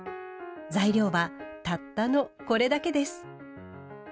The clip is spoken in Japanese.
材料はたったのこれだけです。